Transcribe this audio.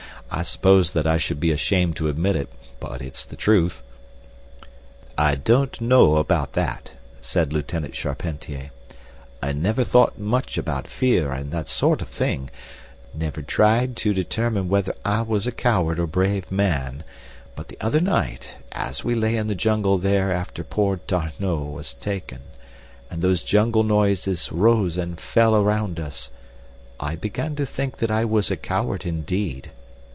I suppose that I should be ashamed to admit it, but it's the truth." "I don't know about that," said Lieutenant Charpentier. "I never thought much about fear and that sort of thing—never tried to determine whether I was a coward or brave man; but the other night as we lay in the jungle there after poor D'Arnot was taken, and those jungle noises rose and fell around us I began to think that I was a coward indeed.